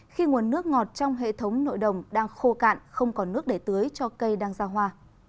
khi nguồn nước ngọt trong hệ thống nội đồng đang khô cạn không còn nước để tưới cho cây đang ra hoa